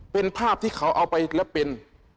เป็นภาพที่เขาเอาไปแล้วเป็น